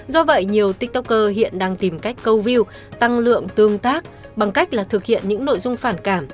do vậy nhiều tiktoker hiện đang tìm cách câu view tăng lượng tương tác bằng cách là thực hiện những nội dung phản cảm